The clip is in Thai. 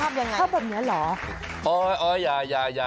ชอบยังไงชอบแบบเนี่ยเหรอ